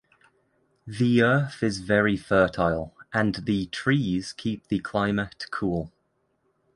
The earth is very fertile and the trees keep the climate cool.